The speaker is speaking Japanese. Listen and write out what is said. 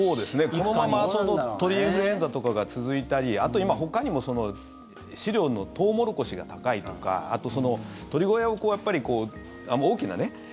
このまま鳥インフルエンザとかが続いたりあと今、ほかにも飼料のトウモロコシが高いとかあと鳥小屋をこうやっぱり大きなね。